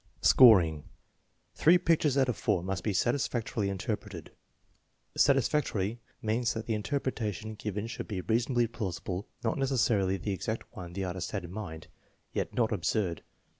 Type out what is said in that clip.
Scoring. Three pictures out of four must be satisfactorily interpreted. " Satisfactorily " means that the interpreta tion given should be reasonably plausible; not necessarily the exact one the artist had in mind, yet not absurd.